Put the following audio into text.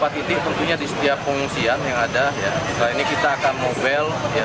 setelah ini kita akan mobile